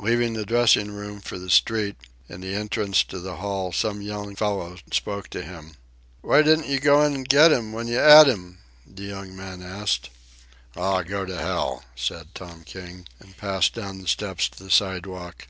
Leaving the dressing room for the street, in the entrance to the hall, some young fellow spoke to him. "W'y didn't yuh go in an' get 'im when yuh 'ad 'im?" the young fellow asked. "Aw, go to hell!" said Tom King, and passed down the steps to the sidewalk.